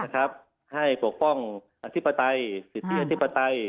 ให้ปกป้องอธิปไตยสิทธิอธิปไตย